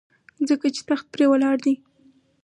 ځکه چې تخت پرې ولاړ دی.